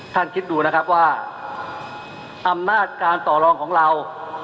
คิดดูนะครับว่าอำนาจการต่อรองของเรา